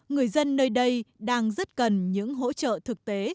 người dân nơi đây đang rất cần những hỗ trợ thực tế